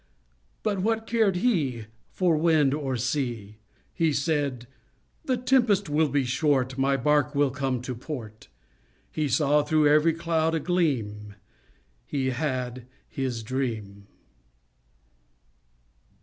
But what cared he For wind or sea! He said, "The tempest will be short, My bark will come to port." He saw through every cloud a gleam He had his dream.